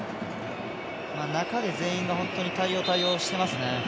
中で全員が本当に対応してますね。